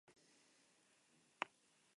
Se sitúa en el noroeste de la provincia.